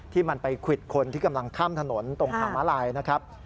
ที่มันไปควิดคนที่กำลังข้ามถนนตรงทางม้าลายนะครับ